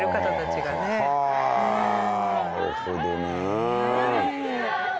はあなるほどね。